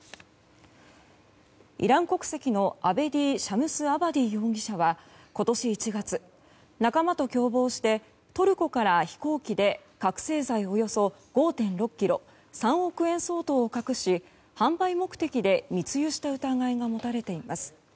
イラン国籍の、アベディ・シャムスアバディ容疑者は今年１月、仲間と共謀してトルコから飛行機で覚醒剤およそ５．６ｋｇ３億円相当を隠し販売目的で密輸した疑いが持たれています。